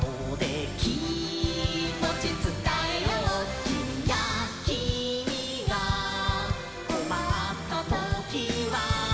「きもちつたえよう」「キミやキミがこまったときは」